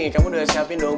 kamu udah siapin dong